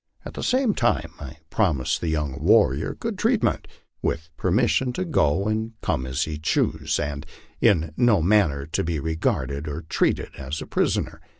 At the same time I promised the young warrior good treatment, with permission to go and come as he chose, and in no man ner to be regarded or treated as a prisoner.